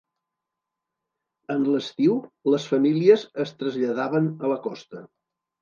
En l'estiu, les famílies es traslladaven a la costa.